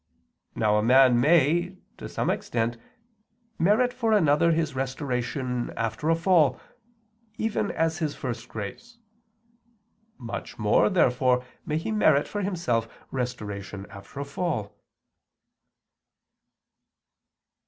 Now a man may, to some extent, merit for another his restoration after a fall, even as his first grace. Much more, therefore, may he merit for himself restoration after a fall.